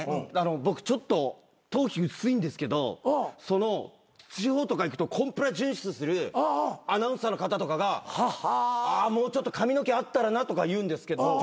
僕ちょっと頭皮薄いんですけど地方とか行くとコンプラ順守するアナウンサーの方とかがもうちょっと髪の毛あったらなとか言うんですけど冗談で。